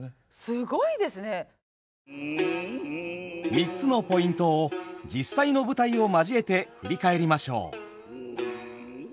３つのポイントを実際の舞台を交えて振り返りましょう。